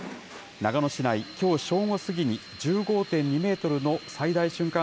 長野市内、きょう正午過ぎに、１５．２メートルの最大瞬間